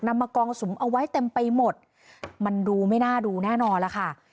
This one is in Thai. มากองสุมเอาไว้เต็มไปหมดมันดูไม่น่าดูแน่นอนล่ะค่ะ